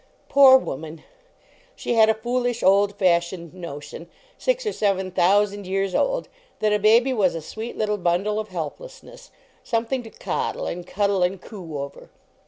Poor woman ! She had a foolish, old fash ioned notion, six or seven thousand years old, that a baby was a sweet little bundle of helplessness, something to coddle and cuddle, and coo over.